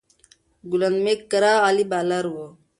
ګلن میک ګرا عالي بالر وو.